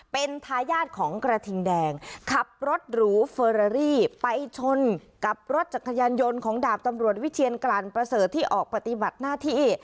เป็นทายาทของกระทิงแดงขับรถหรูเฟอรารี่ไปชนกับรถจักรยานยนต์ของดาบตำรวจวิเชียนกลั่นประเสริฐที่ออกปฏิบัติหน้าที่